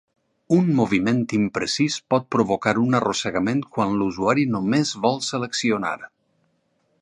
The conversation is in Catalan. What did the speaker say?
Un moviment imprecís pot provocar un arrossegament quan l'usuari només vol seleccionar.